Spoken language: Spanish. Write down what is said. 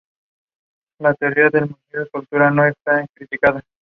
Es requerida por el cuerpo para producir aminoácidos, carbohidratos y lípidos.